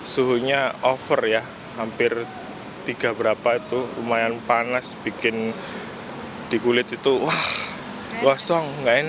suhunya over ya hampir tiga berapa itu lumayan panas bikin di kulit itu wah gosong